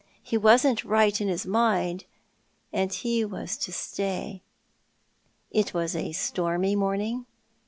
He Avasn't right in his mind, and he was to stay." " It was a stormy morning?